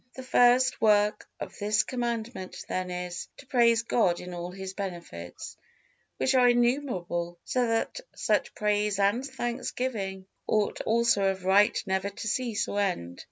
The first work of this Commandment then is, to praise God in all His benefits, which are innumerable, so that such praise and thanksgiving ought also of right never to cease or end.